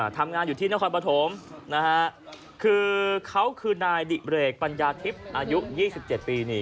ทำงานอยู่ที่นครปฐมนะฮะคือเขาคือนายดิเรกปัญญาทิพย์อายุ๒๗ปีนี่